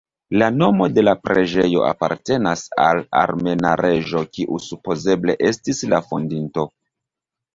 La nomo de la preĝejo apartenas al armena reĝo kiu supozeble estis la fondinto.